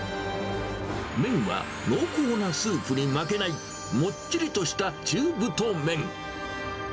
麺は濃厚なスープに負けない、もっちりとした中太麺。